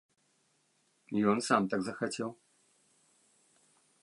Ён сам так захацеў.